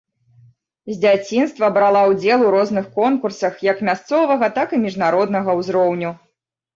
З дзяцінства брала ўдзел у розных конкурсах як мясцовага, так і міжнароднага ўзроўню.